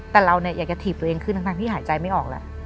แต่เราอยากจะถีบตัวเองขึ้นทั้งที่หายใจไม่ออกแล้ว